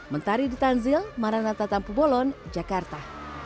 mentari di tanzil maranatha tampu bolon jakarta